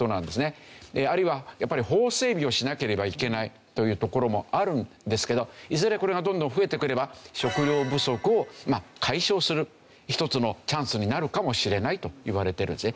あるいはやっぱり法整備をしなければいけないというところもあるんですけどいずれこれがどんどん増えてくれば食料不足を解消する一つのチャンスになるかもしれないといわれてるんですね。